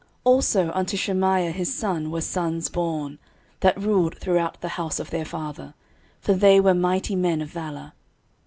13:026:006 Also unto Shemaiah his son were sons born, that ruled throughout the house of their father: for they were mighty men of valour.